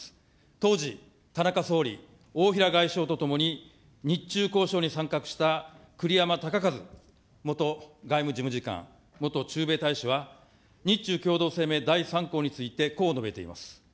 当時、田中総理、大平外相と共に日中交渉に参画したくりやまたかかず元外務事務次官、元駐米大使は、日中共同声明第３項についてこう述べています。